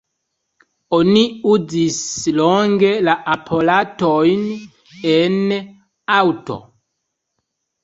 Oni uzis longe la aparatojn en aŭto.